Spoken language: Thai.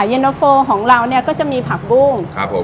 เย็นนอ์โฟล์ของเราก็จะมีพักบู๊ง